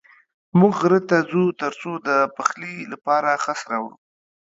موږ غره ته ځو تر څو د پخلي لپاره خس راوړو.